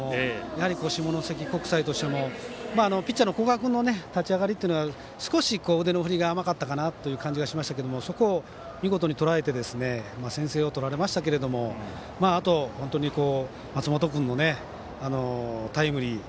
やはり下関国際としてもピッチャーの古賀君の立ち上がりというのは少し腕の振りが甘かったかなという感じがしましたけれどもそこを見事にとらえて先制を取られましたけどもあと、本当に松本君のタイムリー